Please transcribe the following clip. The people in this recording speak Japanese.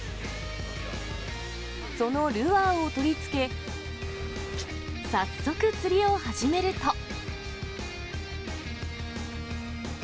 そのルアーを取り付け、早速、釣りを始めると。